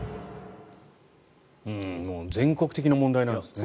全国的な問題なんですね。